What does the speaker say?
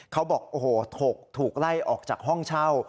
เขาบอกโอ้โหถูกไล่ออกจากห้องเช่า